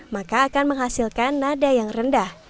maka akan menghasilkan nada yang rendah